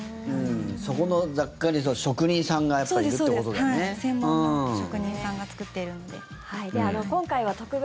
そこの雑貨に、職人さんがやっぱりいるってことだよね。